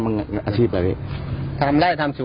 ของนักทำไป